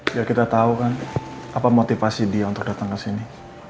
biar kita tahu kan apa motivasi dia untuk datang ke sini